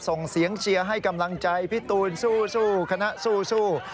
ส่งเสียงเชียร์ให้กำลังใจพี่ตูนสู้คณะสู้